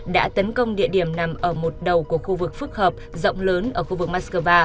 đã tấn công địa điểm nằm ở một đầu của khu vực phức hợp rộng lớn ở khu vực moscow